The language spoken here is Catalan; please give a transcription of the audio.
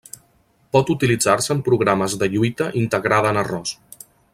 Pot utilitzar-se en programes de lluita integrada en arròs.